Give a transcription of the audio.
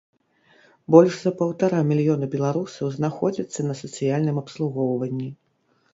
Больш за паўтара мільёна беларусаў знаходзяцца на сацыяльным абслугоўванні.